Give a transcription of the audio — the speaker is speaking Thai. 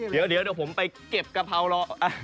เดี๋ยวเดี๋ยวผมไปเก็บกะเพราแล้ว